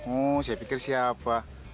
oh saya pikir siapa